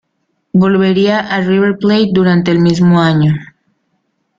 Volvería a River Plate durante el mismo año.